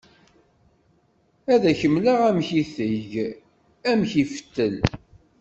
Ad ak-mleɣ amek itegg, amek ifettel.